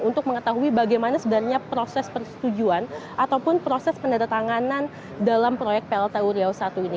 untuk mengetahui bagaimana sebenarnya proses persetujuan ataupun proses pendatanganan dalam proyek plt uriau i ini